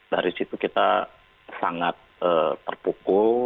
dari situ kita sangat terpukul